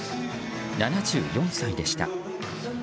７４歳でした。